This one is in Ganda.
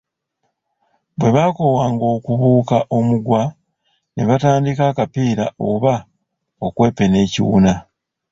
Bwe bakoowanga okubuuka omugwa ne batandika akapiira oba okwepena ekiwuna.